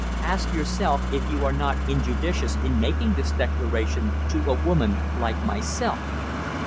Ask yourself if you are not injudicious in making this declaration to a woman like myself?"